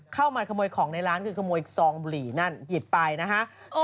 เข้ามาขโมยของในร้านคือขโมยซองบุหรี่นั่นหยิบไปนะฮะ